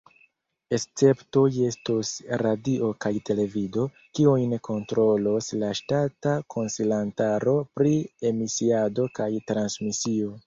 Esceptoj estos radio kaj televido, kiujn kontrolos la ŝtata Konsilantaro pri Emisiado kaj Transmisio.